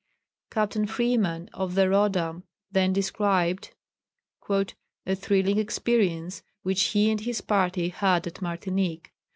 Captain Freeman, of the "Roddam," then described "a thrilling experience which he and his party had at Martinique.